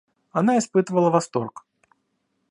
Она испытывала восторг.